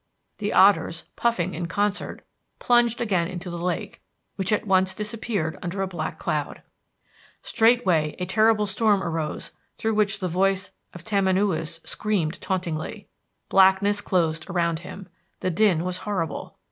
The otters, puffing in concert, plunged again into the lake, which at once disappeared under a black cloud. Straightway a terrible storm arose through which the voice of Tamanoüs screamed tauntingly. Blackness closed around him. The din was horrible.